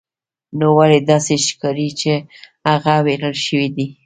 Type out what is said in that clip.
نو ولې داسې ښکاري چې هغه ویرول شوی دی